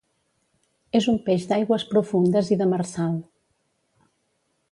És un peix d'aigües profundes i demersal.